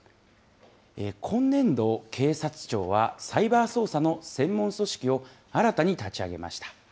今年度、警察庁はサイバー捜査の専門組織を新たに立ち上げました。